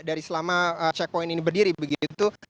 dari selama checkpoint ini berdiri begitu